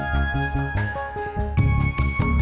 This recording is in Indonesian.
kamu udah sarapan belum